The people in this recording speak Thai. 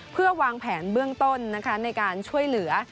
เพื่อวางแผนเบื้องต้นในการช่วยเหลือ